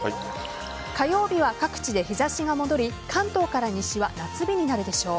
火曜日は各地で日差しが戻り関東から西は夏日になるでしょう。